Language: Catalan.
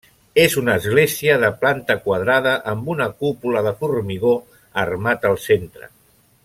És una església de planta quadrada amb una cúpula de formigó armat al centre.